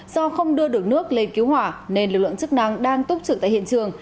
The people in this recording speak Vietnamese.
do không đưa được nước lên cứu hỏa nên lực lượng chức năng đang túc trực tại hiện trường